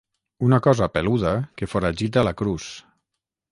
Una cosa peluda que foragita la Cruz.